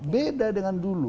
beda dengan dulu